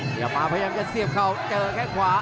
เดี๋ยวมาพยายามจะเสียบเขาเจอแค่งขวา